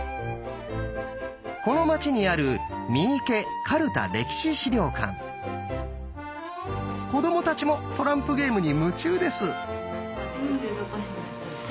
この町にある子どもたちもトランプゲームに夢中です。